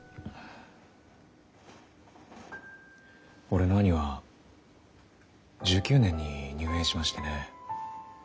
俺の兄は１９年に入営しましてね。